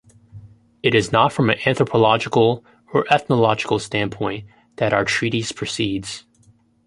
It is not from an anthropological or ethnological standpoint that our treatise proceeds